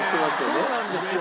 そうなんですよ。